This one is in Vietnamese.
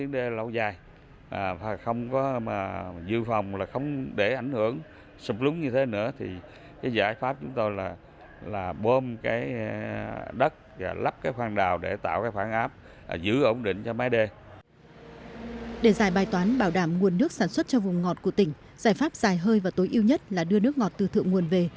để giải bài toán bảo đảm nguồn nước sản xuất cho vùng ngọt của tỉnh giải pháp dài hơi và tối ưu nhất là đưa nước ngọt từ thượng nguồn về